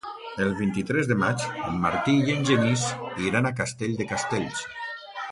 El vint-i-tres de maig en Martí i en Genís iran a Castell de Castells.